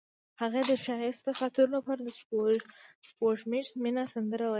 هغې د ښایسته خاطرو لپاره د سپوږمیز مینه سندره ویله.